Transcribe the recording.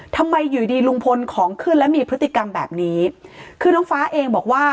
ทำไมอยู่ดีลุงพลของขึ้นและมีพฤติกรรมแบบนี้คือน้องฟ้าเองบอกว่า